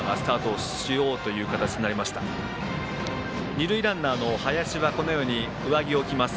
二塁ランナーの林は上着を着ます。